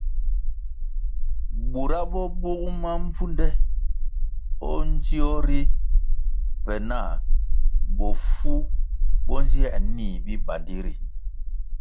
Bura bo bug mabvunde ndzio ri pe na bofu bo nziē nih bibandi ri.